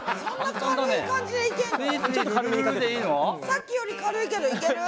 さっきより軽いけどいける？